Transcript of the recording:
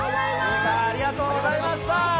凛美さん、ありがとうございました。